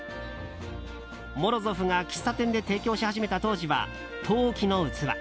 モロゾフが喫茶店で提供し始めた当時は陶器の器。